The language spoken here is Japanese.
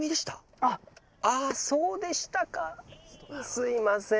すいません